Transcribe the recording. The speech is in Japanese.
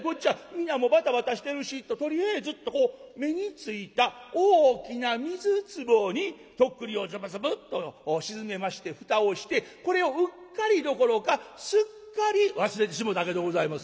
皆もバタバタしてるしととりあえずっとこう目についた大きな水壺に徳利をズブズブッと沈めまして蓋をしてこれをうっかりどころかすっかり忘れてしもたわけでございますね。